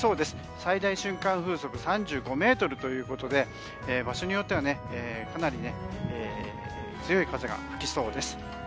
最大瞬間風速３５メートルということで場所によってはかなり強い風が吹きそうです。